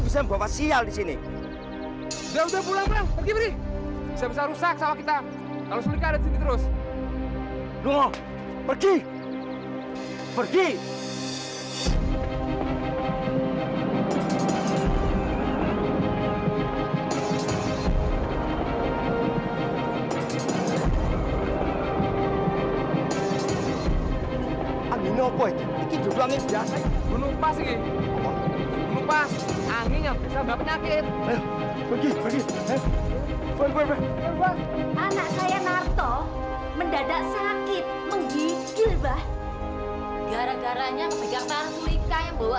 sampai jumpa di video selanjutnya